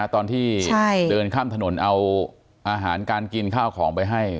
ตอนที่เดินข้ามถนนเอาอาหารการกินข้าวของไปให้